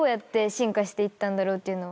していったんだろうっていうのは。